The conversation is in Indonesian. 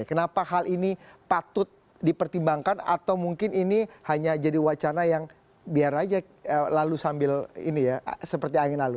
kenapa hal ini patut dipertimbangkan atau mungkin ini hanya jadi wacana yang biar aja lalu sambil ini ya seperti angin lalu